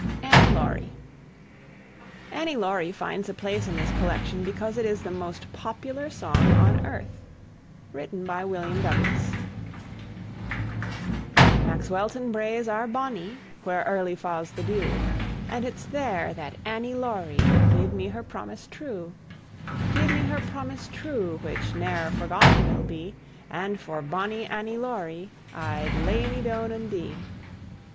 ANNIE LAURIE. "Annie Laurie" finds a place in this collection because it is the most popular song on earth. Written by William Douglas, (). Maxwelton braes are bonnie Where early fa's the dew, And it's there that Annie Laurie Gie'd me her promise true Gie'd me her promise true, Which ne'er forgot will be; And for bonnie Annie Laurie I'd lay me doune and dee.